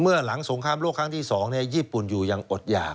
หลังสงครามโลกครั้งที่๒ญี่ปุ่นอยู่ยังอดหยาก